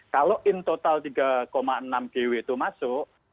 kalau in total tiga enam gw itu masuk